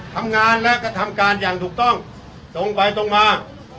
ทำงานและกระทำการอย่างถูกต้องตรงไปตรงมา